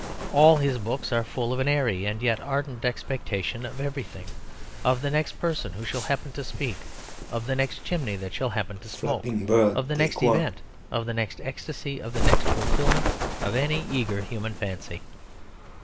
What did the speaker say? All his books are full of an airy and yet ardent expectation of everything; of the next person who shall happen to speak, of the next chimney that shall happen to smoke, of the next event, of the next ecstasy; of the next fulfilment of any eager human fancy.